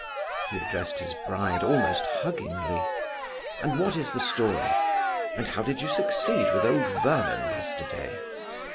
he addressed his bride almost huggingly; "and what is the story? and how did you succeed with old Vernon yesterday?